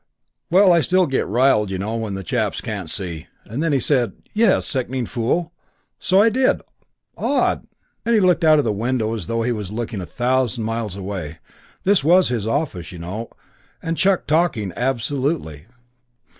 Well, I still get riled, you know, when chaps can't see ' And then he said 'Yes, "sickening fool"; so I did; odd!' and he looked out of the window as though he was looking a thousand miles away this was in his office, you know and chucked talking absolutely....